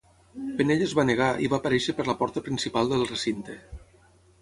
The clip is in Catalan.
Penella es va negar i va aparèixer per la porta principal del recinte.